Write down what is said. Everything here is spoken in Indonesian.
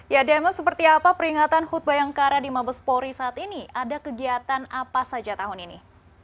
ya demo seperti apa peringatan hut bayangkara di mabes polri saat ini ada kegiatan apa saja tahun ini